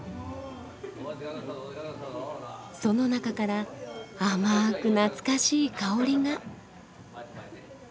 その中から甘く懐かしい香りが。